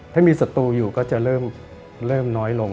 ถ้ามีศัตรูอยู่ก็จะเริ่มน้อยลง